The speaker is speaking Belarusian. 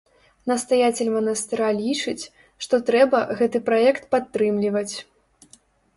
Настаяцель манастыра лічыць, што трэба гэты праект падтрымліваць.